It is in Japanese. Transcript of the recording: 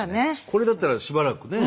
これだったらしばらくね。